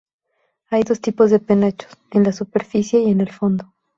Hay dos tipos de penachos: en la superficie y en el fondo.